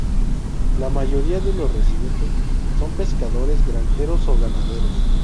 La mayoría de los residentes son pescadores, granjeros o ganaderos.